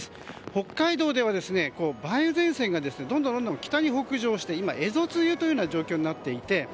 北海道では、梅雨前線がどんどん北に北上して今、蝦夷梅雨という状況になっていて。